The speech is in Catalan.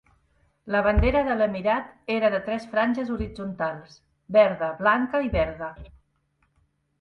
La bandera de l'emirat era de tres franges horitzontals, verda, blanca i verda.